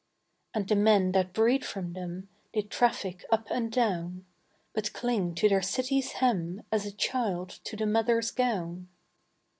And the men that breed from them They traffic up and down, But cling to their cities' hem As a child to the mother's gown.